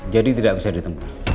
jadi tidak bisa ditemui